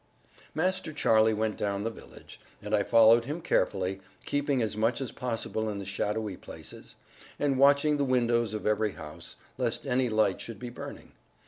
Master Charlie went down the village, and I followed him carefully, keeping as much as possible in the shadowy places, and watching the windows of every house, lest any light should be burning.